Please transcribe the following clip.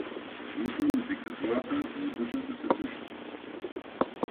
Мислам дека злата во душата се душа.